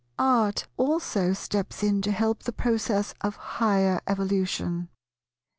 Art also steps in to help the process of higher Evolution.